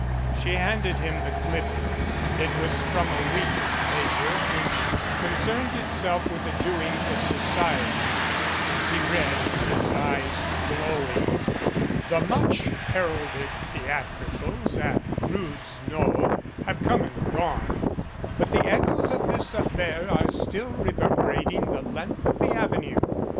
She handed him the clipping. It was from a weekly paper, which concerned itself with the doings of society, and he read, his eyes glowing: The much heralded theatricals at "Roods Knoll" have come and gone, but the echoes of this affair are still rever berating the length of the Avenue.